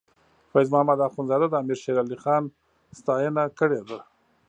فیض محمد اخونزاده د امیر شیر علی خان ستاینه کړې ده.